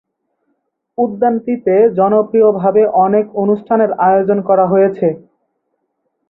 উদ্যানটিতে জনপ্রিয়ভাবে অনেক অনুষ্ঠানের আয়োজন করা হয়েছে।